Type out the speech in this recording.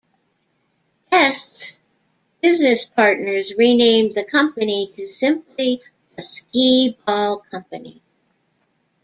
Este's business partners renamed the company to simply the Skee-Ball Company.